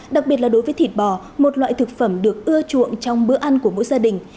đặc biệt là đối với thịt bò một loại thực phẩm được ưa chuộng trong bữa ăn của mỗi gia đình